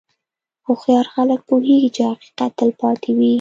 هوښیار خلک پوهېږي چې حقیقت تل پاتې وي.